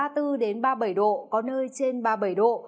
từ ba mươi bốn đến ba mươi bảy độ có nơi trên ba mươi bảy độ